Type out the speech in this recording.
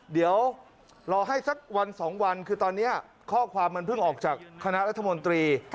เดี๋ยวรอให้สักวันสองวันคือตอนนี้ข้อความมันเพิ่งออกจากคณะรัฐมนตรี